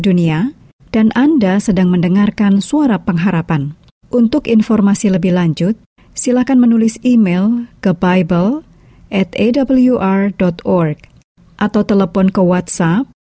dua dua dua kosong tujuh tujuh tujuh